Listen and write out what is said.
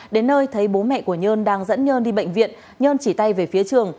đến nơi thấy bố mẹ của nhân đang dẫn nhân đi bệnh viện nhân chỉ tay về phía trường